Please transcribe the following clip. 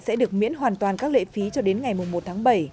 sẽ được miễn hoàn toàn các lệ phí cho đến ngày một tháng bảy